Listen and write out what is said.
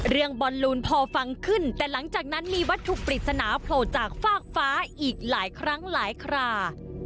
บอลลูนพอฟังขึ้นแต่หลังจากนั้นมีวัตถุปริศนาโผล่จากฟากฟ้าอีกหลายครั้งหลายครา